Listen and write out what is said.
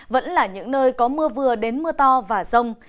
vẫn là những nơi có mưa vừa đến mưa to và rông